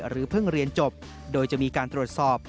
เพิ่งเรียนจบโดยจะมีการตรวจสอบ